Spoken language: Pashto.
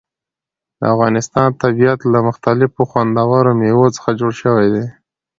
د افغانستان طبیعت له مختلفو او خوندورو مېوو څخه جوړ شوی دی.